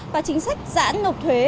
và chính sách giãn nộp thuế